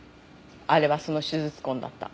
あれはその手術痕だった。